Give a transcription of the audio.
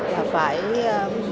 là phải liên hệ với các trường